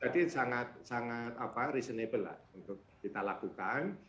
jadi sangat reasonable lah untuk kita lakukan